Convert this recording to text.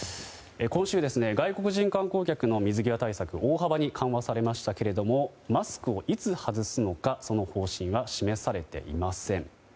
今週、外国人観光客の水際対策が大幅に緩和されましたけれどもマスクをいつ外すのかその方針は示されていません。